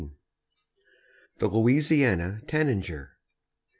] THE LOUISIANA TANAGER.